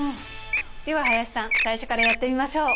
では林さん最初からやってみましょう。